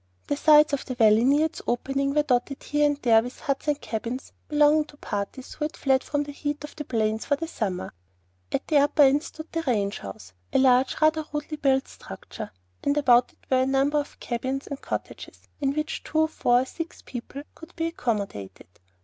The sides of the valley near its opening were dotted here and there with huts and cabins belonging to parties who had fled from the heat of the plains for the summer. At the upper end stood the ranch house, a large, rather rudely built structure, and about it were a number of cabins and cottages, in which two, four, or six people could be accommodated.